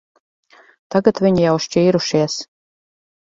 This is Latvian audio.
Tagad viņi jau šķīrušies.